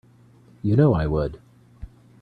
You know I would.